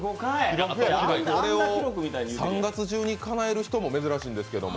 これを３月中にかなえる人も珍しいんですけども。